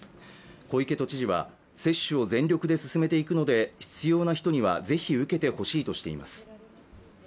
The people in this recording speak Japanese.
小池都知事は、接種を全力で進めていくので必要な人にはぜひ受けてほしいとしています。